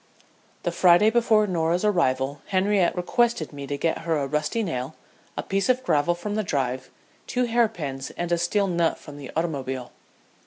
The Friday before Norah's arrival Henriette requested me to get her a rusty nail, a piece of gravel from the drive, two hair pins, and a steel nut from the automobile.